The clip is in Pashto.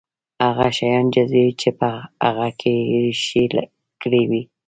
هغه شيان جذبوي چې په هغه کې يې رېښې کړې وي.